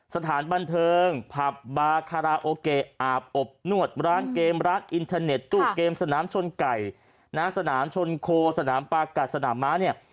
สถานบันเทิงผับบาคาราโอเกะอาบอบนวดร้านเกมร้านอินเทอร์เน็ตตู้เกมสนามชนไก่นะสนามชนโคสนามปากัดสนามม้าเนี่ย